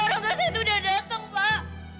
orang tua saya itu udah datang pak